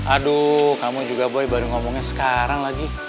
aduh kamu juga boy baru ngomongnya sekarang lagi